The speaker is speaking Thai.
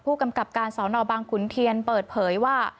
ผู้กำกับการสอนอบางขุนเทียนเปิดเผยว่า